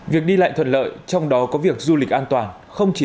việc đi lại thuận lợi trong đó có việc du lịch an toàn